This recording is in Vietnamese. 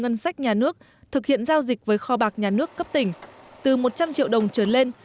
ngân sách nhà nước thực hiện giao dịch với kho bạc nhà nước cấp tỉnh từ một trăm linh triệu đồng trở lên